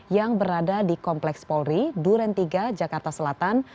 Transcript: yang berada di kompleks polri duren tiga jakarta selatan